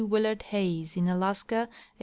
WILLAED HAYES IN ALASKA, 1891.